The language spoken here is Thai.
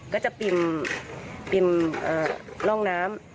ก็จะปิ่มร่องน้ำ